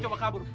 oleh itu tadi